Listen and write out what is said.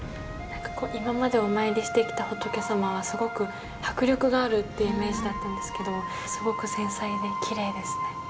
なんか今までお参りしてきた仏様はすごく迫力があるってイメージだったんですけどすごく繊細できれいですね。